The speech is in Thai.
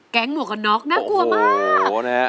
แก๊งหมวกน๊อกน๊อกน่ากลัวมาก